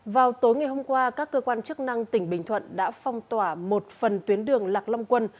vào tối ngày hôm qua các cơ quan chức năng tỉnh bình thuận đã phong tỏa một phần tuyến đường lạc long quân